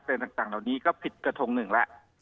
ต่างเหล่านี้ก็ผิดกระทงหนึ่งแล้ว